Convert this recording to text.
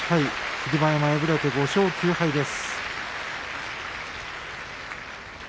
霧馬山敗れて５勝９敗です。